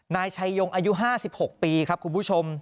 นายชัยยงอายุ๕๖ปีครับคุณผู้ชม